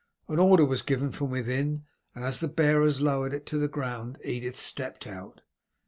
An order was given from within, and as the bearers lowered it to the ground Edith stepped out.